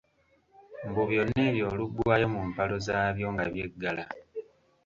Mbu byonna ebyo oluggwaayo mu mpalo zaabyo nga byeggala.